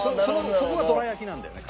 そこがどら焼きなんだよね。